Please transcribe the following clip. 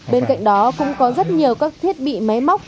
bên cạnh đó cũng có rất nhiều các thiết bị máy móc